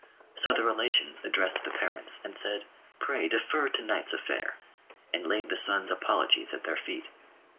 So the relations addressed the parents, and said, "Pray defer to night's affair;" and laid the son's apologies at their feet.